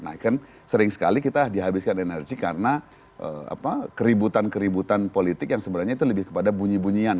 nah kan sering sekali kita dihabiskan energi karena keributan keributan politik yang sebenarnya itu lebih kepada bunyi bunyian